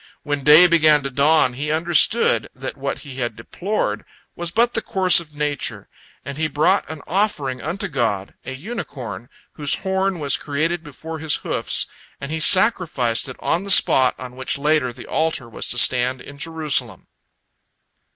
When day began to dawn, he understood that what he had deplored was but the course of nature, and he brought an offering unto God, a unicorn whose horn was created before his hoofs, and he sacrificed it on the spot on which later the altar was to stand in Jerusalem.